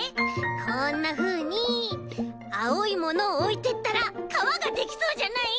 こんなふうにあおいものをおいてったらかわができそうじゃない？